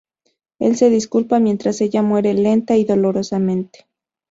El se disculpa mientras ella muere lenta y dolorosamente.